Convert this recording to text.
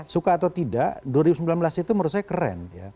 suka atau tidak dua ribu sembilan belas itu menurut saya keren